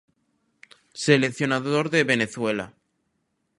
Seleccionador de Venezuela.